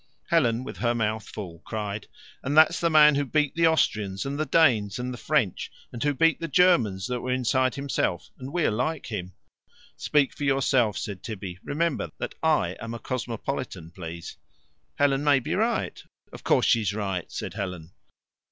Helen, with her mouth full, cried: "And that's the man who beat the Austrians, and the Danes, and the French, and who beat the Germans that were inside himself. And we're like him." "Speak for yourself," said Tibby. "Remember that I am cosmopolitan, please." "Helen may be right." "Of course she's right," said Helen.